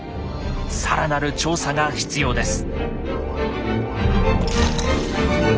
更なる調査が必要です。